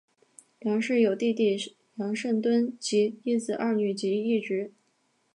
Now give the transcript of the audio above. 杨氏有弟弟杨圣敦及一子两女及一侄。